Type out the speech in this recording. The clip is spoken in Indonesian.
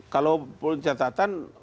kalau punya catatan